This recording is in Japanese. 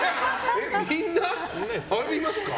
みんな？ありますか？